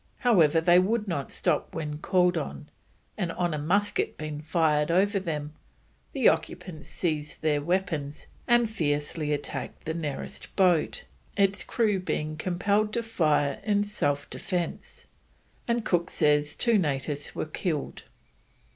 However, they would not stop when called on, and on a musket being fired over them, the occupants seized their weapons and fiercely attacked the nearest boat, its crew being compelled to fire in self defence, and Cook says two natives were killed.